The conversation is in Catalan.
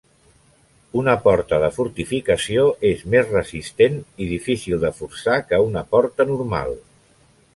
Una porta de fortificació és més resistent i difícil de forçar que una porta normal.